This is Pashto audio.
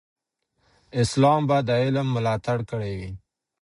اسلام به د علم ملاتړ کړی وي.